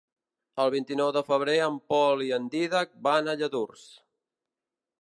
El vint-i-nou de febrer en Pol i en Dídac van a Lladurs.